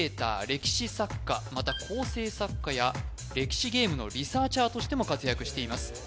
歴史作家また構成作家や歴史ゲームのリサーチャーとしても活躍しています